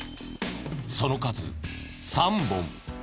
その数３本。